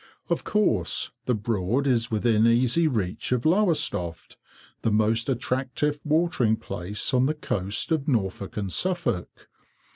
Of course, the Broad is within easy reach of Lowestoft, the most attractive watering place on the coast of Norfolk and Suffolk.